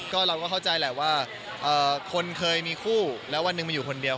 เราก็เข้าใจแหละว่าคนเคยมีคู่แล้ววันหนึ่งมาอยู่คนเดียว